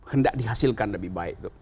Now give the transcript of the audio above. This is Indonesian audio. hendak dihasilkan lebih baik